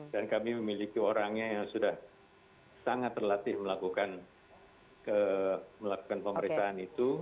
kami memiliki orangnya yang sudah sangat terlatih melakukan pemeriksaan itu